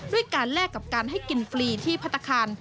การแลกกับการให้กินฟรีที่พัฒนาคาร